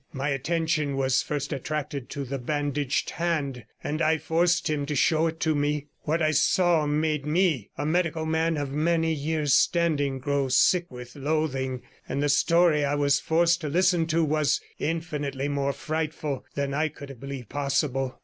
My attention was first attracted to the bandaged hand, and I forced him to show it to me. What I saw made me, a medical man of many years' standing, grow sick with loathing, and the story I was forced to listen to was infinitely more frightful than I could have believed possible.